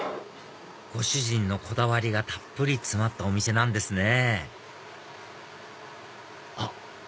ご主人のこだわりがたっぷり詰まったお店なんですねあっ！